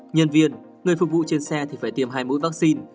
nhân viên người phục vụ trên xe thì phải tiêm hai mũi vaccine